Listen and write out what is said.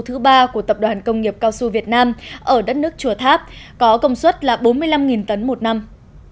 thứ ba của tập đoàn công nghiệp cao su việt nam ở đất nước chùa tháp có công suất là bốn mươi năm tấn một năm